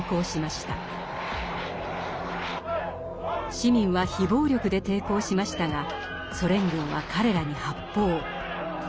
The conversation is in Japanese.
市民は非暴力で抵抗しましたがソ連軍は彼らに発砲。